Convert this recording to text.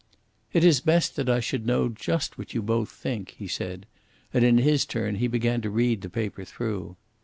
"It is best that I should know just what you both think," he said, and in his turn he began to read the paper through.